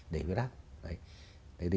để huyết áp